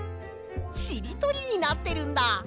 しりとりになってるんだ！